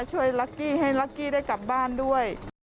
ลักกี้ให้ลักกี้ได้กลับบ้านด้วย